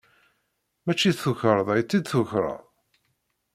Mačči d tukerḍa i tt-id-tukreḍ!